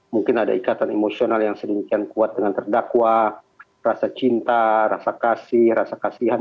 mungkin ada ikatan emosional yang sedemikian kuat dengan terdakwa rasa cinta rasa kasih rasa kasihan